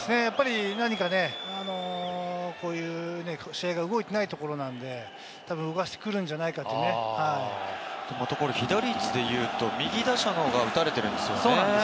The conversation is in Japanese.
何かこういう、試合が動いていないところなので動かしてくるんじゃないかというね、被打率で言うと、右打者の方が打たれてるんですよね。